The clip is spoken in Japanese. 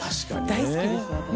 大好きです私。